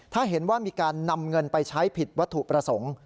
ถ้าเห็นว่ามีการนำเงินไปใช้ผิดวัตถุประสงค์